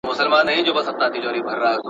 دا مېوه تر ټولو نورو وچو مېوو ډېره خوږه ده.